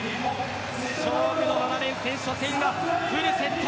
勝負の７連戦、初戦はフルセット